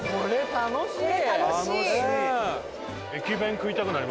楽しい！